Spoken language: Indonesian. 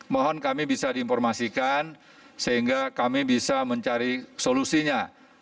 mohon kami bisa diinformasikan sehingga kami bisa mencari solusinya